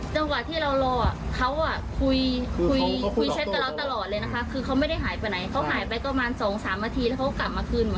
จำกว่าที่เรารอเขาคุยเช็ดกันแล้วตลอดเลยนะคะ